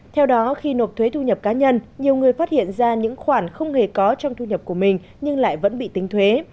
theo đó khi nộp thuế thu nhập cá nhân nhiều người phát hiện ra những khoản không hề có trong thu nhập của mình nhưng lại vẫn bị tính thuế